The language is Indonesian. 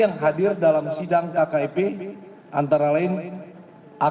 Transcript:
dan adalah haditation dari lokasi tentang langkah tersebut yang melounded to of the staff dan